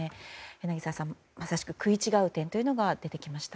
柳澤さん、まさに食い違う点が出てきました。